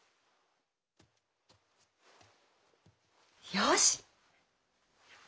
よし！